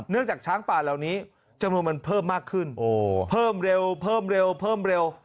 จากช้างป่าเหล่านี้จำนวนมันเพิ่มมากขึ้นเพิ่มเร็วเพิ่มเร็วเพิ่มเร็ว